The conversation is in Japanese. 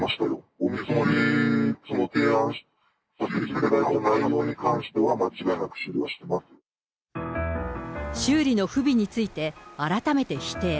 お見積り、提案させていただいた内容に関しては、修理の不備について、改めて否定。